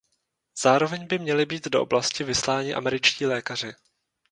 Zároveň by měli být do oblasti vysláni američtí lékaři.